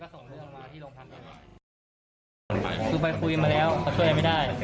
แล้วก็ส่งเรื่องมาที่โรงพักษณ์คือไปคุยมาแล้วเขาช่วยไม่ได้